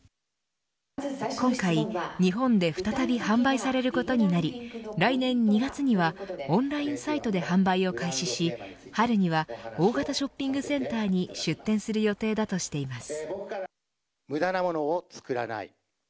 今回、日本で再び販売されることになり来年２月にはオンラインサイトで販売を開始し春には大型ショッピングセンターに出店する予定だとしています。